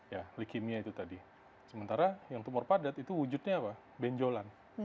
ya leukemia itu tadi sementara yang tumor padat itu wujudnya apa benjolan